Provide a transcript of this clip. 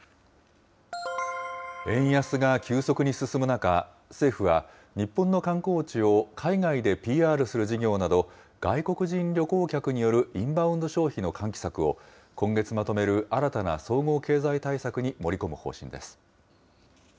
円安が急速に進む中、政府は、日本の観光地を海外でＰＲする事業など、外国人旅行客によるインバウンド消費の喚起策を、今月まとめる新たな総合経済対策に盛り込む方針です。